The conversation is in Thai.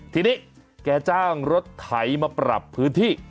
ทีนี้แกจ้างรถไถมาปรับพื้นที่